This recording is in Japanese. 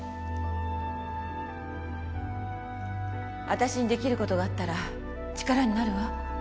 私にできる事があったら力になるわ。